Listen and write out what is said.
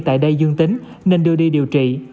tại đây dương tính nên đưa đi điều trị